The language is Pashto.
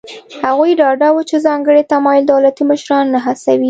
هغوی ډاډه وو چې ځانګړی تمایل دولتي مشران نه هڅوي.